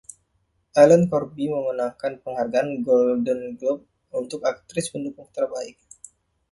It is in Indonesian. Ellen Corby memenangkan Penghargaan Golden Globe untuk Aktris Pendukung Terbaik.